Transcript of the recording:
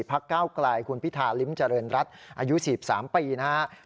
ก้าวกลายคุณพิธาลิ้มเจริญรัฐอายุ๔๓ปีนะครับ